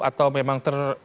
atau memang ter